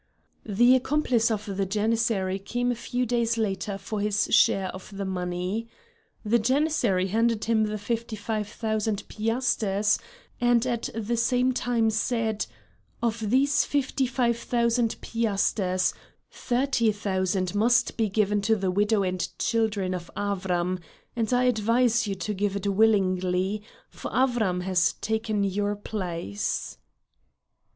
The accomplice of the Janissary came a few days later for his share of the money. The Janissary handed him the fifty five thousand piasters, and at the same time said: "Of these fifty five thousand piasters, thirty thousand must be given to the widow and children of Avram, and I advise you to give it willingly, for Avram has taken your place."